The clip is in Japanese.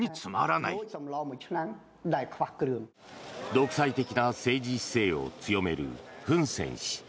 独裁的な政治姿勢を強めるフン・セン氏。